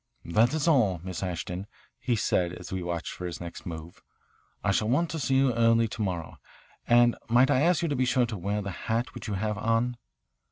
"That is all, Miss Ashton," he said as we watched for his next move. "I shall want to see you early to morrow, and, might I ask you to be sure to wear that hat which you have on?"